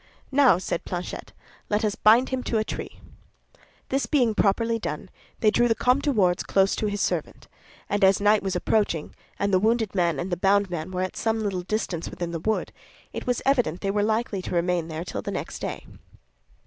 "Now," said Planchet, "let us bind him to a tree." This being properly done, they drew the Comte de Wardes close to his servant; and as night was approaching, and as the wounded man and the bound man were at some little distance within the wood, it was evident they were likely to remain there till the next day.